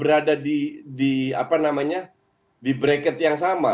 argentina berhasil itu berada di bracket yang sama